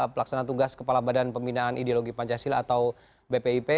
pelaksana tugas kepala badan pembinaan ideologi pancasila atau bpip